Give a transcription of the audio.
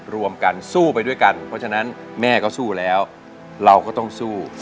รวมกันสู้ไปด้วยกันเพราะฉะนั้นแม่ก็สู้แล้วเราก็ต้องสู้